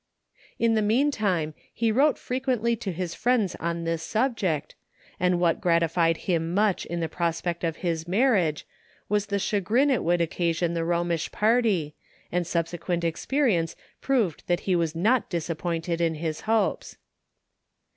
In the meantime, he wrote frequently to his friends on this subject, and what gratified him much in the prospect of his marriage was the chagrin it would occasion the Romish party, and subsequent experience proved that he was not disappointed in his hopes.